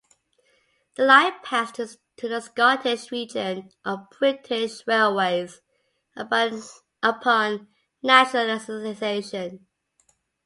The line passed to the Scottish Region of British Railways upon nationalisation.